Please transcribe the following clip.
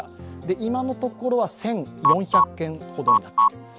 今のところは１４００件ほどになっています。